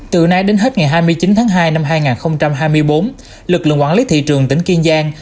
từ nay đến hết ngày hai mươi chín tháng hai năm hai nghìn hai mươi bốn lực lượng quản lý thị trường tỉnh kiên giang